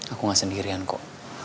aku gak sendirian kok